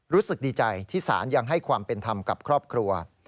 รู้สึกดีใจที่ศาลยังให้ความเป็นธรรมกับครอบครัว